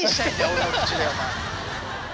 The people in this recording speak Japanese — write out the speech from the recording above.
俺の口でお前。